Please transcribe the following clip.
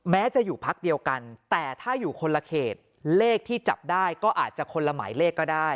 แม้จะอยู่พักเดียวกันแต่ถ้าอยู่คนละเขตเลขที่จับได้ก็อาจจะคนละหมายเลขก็ได้